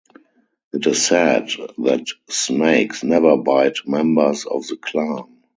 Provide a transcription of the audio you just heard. It is said that snakes never bite members of the clan.